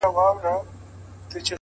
هره ورځ نوی امکان لري.!